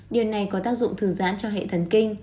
điều này có tác dụng thư giãn cho hệ thần kinh